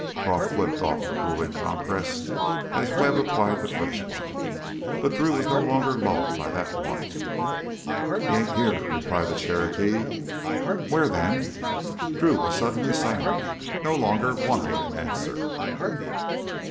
Croff flipped off the cooling compress as Webb applied the fresh one. But Drew was no longer lulled by that warmth. "He ain't here," replied the Cherokee. "Where then?" Drew was suddenly silent, no longer wanting an answer.